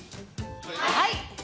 はい！